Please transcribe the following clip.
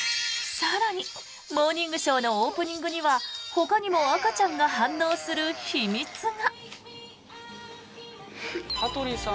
更に、「モーニングショー」のオープニングにはほかにも赤ちゃんが反応する秘密が。